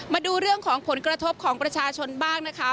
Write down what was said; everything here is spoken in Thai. มาดูเรื่องของผลกระทบของประชาชนบ้างนะคะ